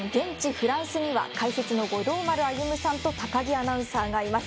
フランスには解説の五郎丸歩さんと高木アナウンサーがいます。